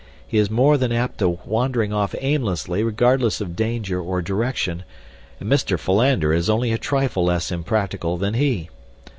He is more than apt to wandering off aimlessly, regardless of danger or direction, and Mr. Philander is only a trifle less impractical than he.